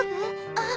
あっ。